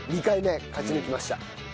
２回ね勝ち抜きました。